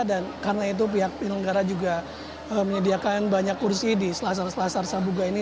dan karena itu pihak pilihan negara juga menyediakan banyak kursi di selasar selasar sabuga ini